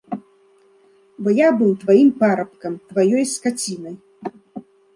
Бо я быў тваім парабкам, тваёй скацінай.